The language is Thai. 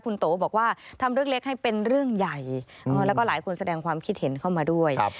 คุณโตบอกว่าทำเรื่องเล็กให้เป็นเรื่องใหญ่แล้วก็หลายคนแสดงความคิดเห็นเข้ามาด้วย